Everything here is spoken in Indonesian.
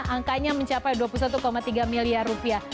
angkanya mencapai dua puluh satu tiga miliar rupiah